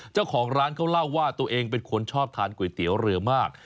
เจ้าของร้านเขาเล่าว่าตัวเองเป็นคนชอบทานก๋วยเตี๋ยวเรือมาก